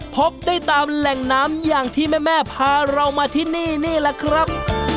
พบได้ตามแหล่งน้ำอย่างที่แม่พาเรามาที่นี่นี่แหละครับ